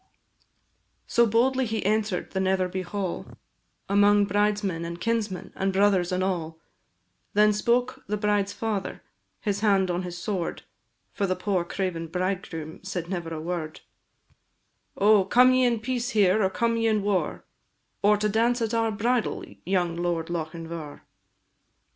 So boldly he enter'd the Netherby Hall, Among bridesmen, and kinsmen, and brothers, and all: Then spoke the bride's father, his hand on his sword, (For the poor craven bridegroom said never a word) "Oh, come ye in peace here, or come ye in war, Or to dance at our bridal, young Lord Lochinvar?"